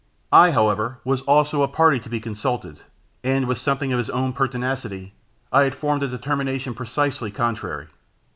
I, however, was also a party to be consulted, and, with something of his own pertinacity, I had formed a determination precisely contrary.